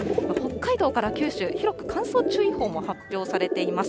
北海道から九州、広く乾燥注意報も発表されています。